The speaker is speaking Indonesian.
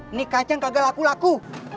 ini kacang gagal laku laku